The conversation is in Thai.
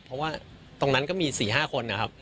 เพราะว่าตรงนั้นก็มี๔๕คนนะครับ